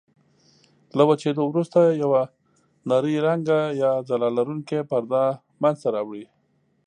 له وچېدلو وروسته یوه نرۍ رنګه یا ځلا لرونکې پرده منځته راوړي.